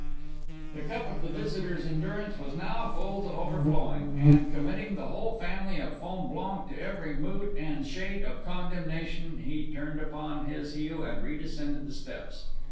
The cup of the visitor's endurance was now full to overflowing; and, committing the whole family of Fonblanque to every mood and shade of condemnation, he turned upon his heel and redescended the steps.